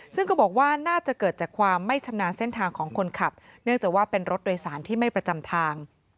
ซึ่งก็บอกว่าน่าจะเกิดจากความไม่ชำนาญเส้นทางของคนขับเนื่องจากว่าเป็นรถโดยสารที่ไม่ประจำทาง